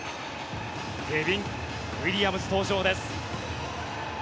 デビン・ウィリアムズ登場です。